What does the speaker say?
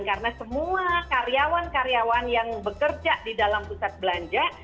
karena semua karyawan karyawan yang bekerja di dalam pusat belanja